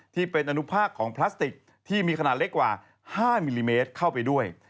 ที่เป็นอนุภาคของพลาสติกที่มีขนาดเล็กกว่า๕มิลลิเมตรเข้าไปด้วย